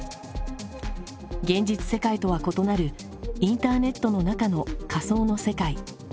「現実世界」とは異なるインターネットの中の仮想の世界。